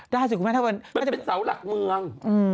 ได้สิมันเป็นเสาหลักเมือง